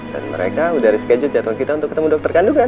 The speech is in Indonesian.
dan mereka udah reschedule jadwal kita untuk ketemu dokter kandungan